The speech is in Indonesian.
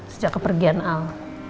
sejak kepergian al